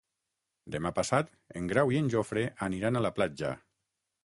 Demà passat en Grau i en Jofre aniran a la platja.